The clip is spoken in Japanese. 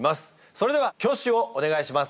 それでは挙手をお願いします。